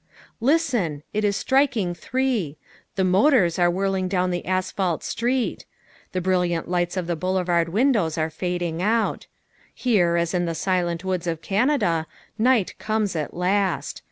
Listen! It is striking three. The motors are whirling down the asphalt street. The brilliant lights of the boulevard windows are fading out. Here, as in the silent woods of Canada, night comes at last.